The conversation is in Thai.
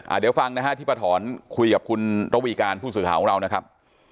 เดี๋ยวฟังนะฮะที่ป้าถอนคุยกับคุณระวีการผู้สื่อข่าวของเรานะครับ